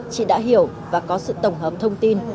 chị đã hiểu và có sự tổng hợp thông tin